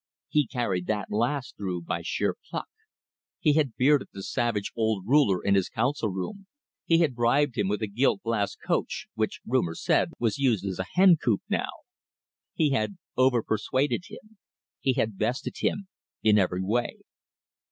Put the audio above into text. He carried that last through by sheer pluck; he had bearded the savage old ruler in his council room; he had bribed him with a gilt glass coach, which, rumour said, was used as a hen coop now; he had over persuaded him; he had bested him in every way.